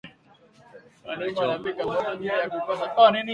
Mwalimu anapika mtoto juya kukosa jibu